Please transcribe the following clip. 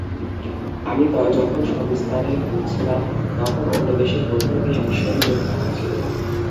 আমি যখন সবিস্তারে বলছিলাম, তখন অন্য দেশের বন্ধুরা বেশ বিস্ময়ের চোখে তাকাচ্ছিল।